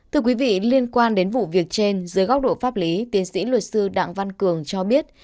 thưa quý vị liên quan đến vụ việc trên dưới góc độ pháp lý tiến sĩ luật sư đặng văn cường cho biết